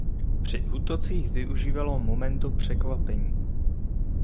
Při útocích využívalo momentu překvapení.